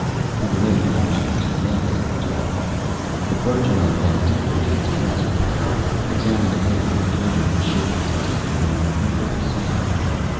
He remained watching the two men as they talked. The clergyman went deep into his trouser pocket, examined a handful of money, and showed his teeth in an agreeable smile.